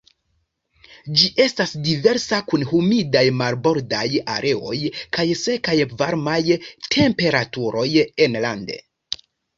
Ĝi estas diversa kun humidaj marbordaj areoj kaj sekaj varmaj temperaturoj enlande.